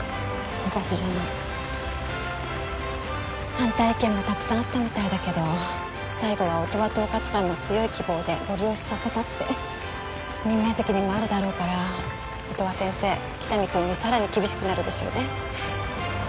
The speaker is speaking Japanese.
私じゃない反対意見もたくさんあったみたいだけど最後は音羽統括官の強い希望でごり押しさせたって任命責任もあるだろうから音羽先生喜多見君にさらに厳しくなるでしょうね